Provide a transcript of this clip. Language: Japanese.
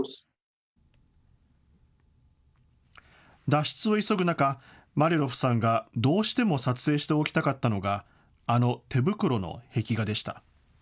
脱出を急ぐ中、マリャロフさんがどうしても撮影しておきたかったのがあの、てぶくろの壁画でした。